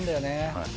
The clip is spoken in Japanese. はい。